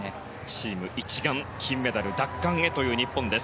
チーム一丸金メダル奪還へという日本。